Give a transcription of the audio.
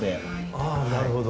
ああなるほど。